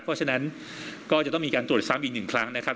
เพราะฉะนั้นก็จะต้องมีการตรวจซ้ำอีกหนึ่งครั้งนะครับ